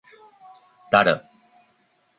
Tara.